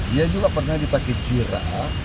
dia juga pernah dipakai jira